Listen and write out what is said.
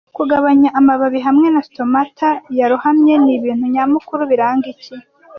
Kugabanya amababi hamwe na stomata yarohamye nibintu nyamukuru biranga iki